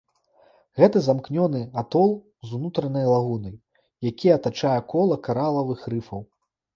Гэта замкнёны атол з унутранай лагунай, які атачае кола каралавых рыфаў.